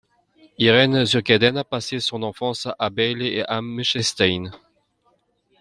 Irène Zurkinden a passé son enfance à Bâle et à Münchenstein.